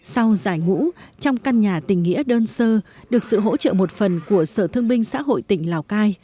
sau giải ngũ trong căn nhà tình nghĩa đơn sơ được sự hỗ trợ một phần của sở thương binh xã hội tỉnh lào cai